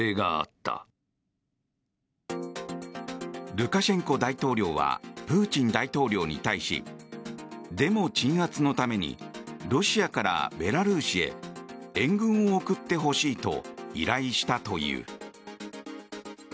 ルカシェンコ大統領はプーチン大統領に対しデモ鎮圧のためにロシアからベラルーシへ援軍を送ってほしいと依頼したという。